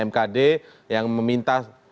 mkd yang meminta